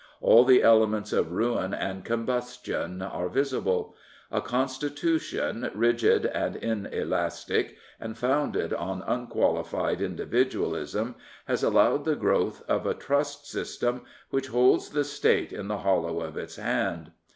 All the elements of ruin and combustion are visible. A Constitution, rigid and inelastic and founded on unqualified individualism, has allowed the growth of a Trust system which holds the State in the hollow of its hand.